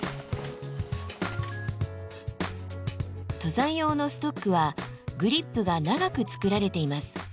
登山用のストックはグリップが長く作られています。